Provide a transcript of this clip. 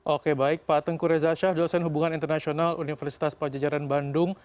oke baik pak tengku reza shah dosen hubungan internasional universitas pajajaran bandung